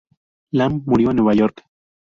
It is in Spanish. Lamb murió en Nueva York.